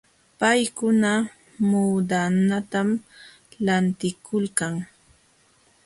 Paykuna muudanatam lantikulkan.